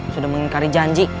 sudah mengingkari janji